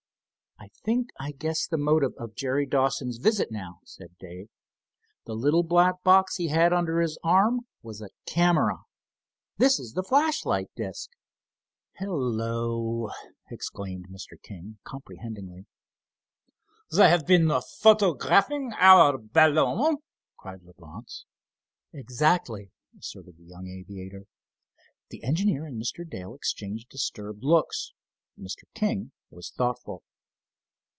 "I think I guess the motive of Jerry Dawson's visit now," said Dave. "The little black box he had under his arm was a camera. This is the flashlight disc." "Hello!" exclaimed Mr. King, comprehendingly. "They have been photographing our balloon!" cried Leblance. "Exactly," asserted the young aviator. The engineer and Mr. Dale exchanged disturbed looks. Mr. King was thoughtful.